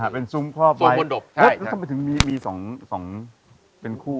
เป็นซุ้มพอบบแล้วก็มีสองเป็นคู่